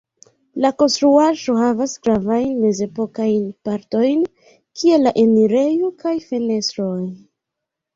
La konstruaĵo havas gravajn mezepokajn partojn, kiel la enirejo kaj fenestroj.